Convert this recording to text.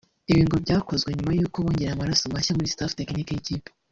Ibi ngo byakozwe nyuma y’uko bongereye amaraso mashya muri Staff technique y’ikipe